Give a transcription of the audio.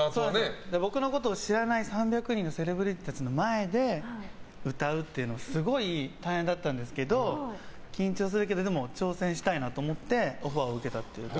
僕のことを知らない３００人のセレブリティーたちの前で歌うっていうのはすごい大変だったんですけど緊張するけど挑戦したいなと思ってオファーを受けたというか。